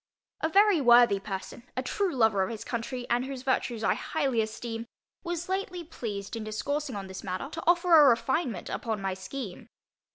A very worthy person, a true lover of his country, and whose virtues I highly esteem, was lately pleased in discoursing on this matter, to offer a refinement upon my scheme.